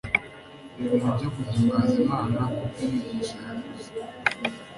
ibintu byo guhimbaza imana kubw, imigisha yakuze